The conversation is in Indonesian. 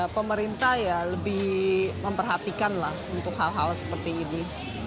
pemerintah lebih memperhatikan untuk hal hal seperti ini